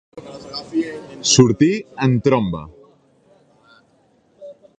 Sortir en tromba.